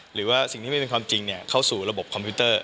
หรือว่าสิ่งที่ไม่เป็นความจริงเข้าสู่ระบบคอมพิวเตอร์